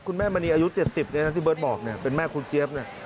คุณแม่มณีอายุ๗๐ที่เบิร์ตบอกเป็นแม่คุณเจี๊ยบ